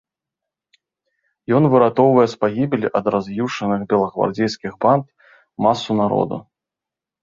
Ён выратоўвае з пагібелі ад раз'юшаных белагвардзейскіх банд масу народа.